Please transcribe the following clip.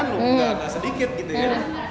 nggak sedikit gitu ya